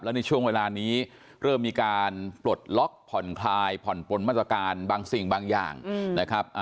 ในช่วงเวลานี้เริ่มมีการปลดล็อกผ่อนคลายผ่อนปนมาตรการบางสิ่งบางอย่างนะครับ